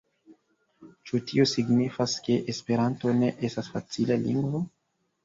Ĉu tio signifas, ke Esperanto ne estas facila lingvo?